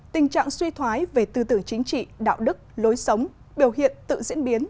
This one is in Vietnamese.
tình trạng suy thoái về tư tưởng chính trị đạo đức lối sống biểu hiện tự diễn biến